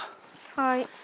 はい。